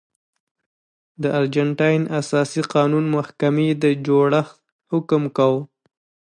د ارجنټاین اساسي قانون محکمې د جوړښت حکم کاوه.